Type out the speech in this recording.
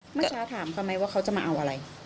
เมื่อเช้าถามเขาไหมว่าเขาจะมาเอาอะไร